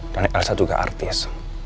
dan elsa juga artis